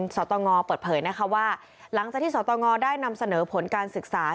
สตงเปิดเผยนะคะว่าหลังจากที่สตงได้นำเสนอผลการศึกษา